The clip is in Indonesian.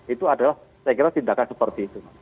itu adalah saya kira tindakan seperti itu